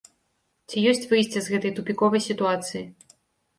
Ці ёсць выйсце з гэтай тупіковай сітуацыі?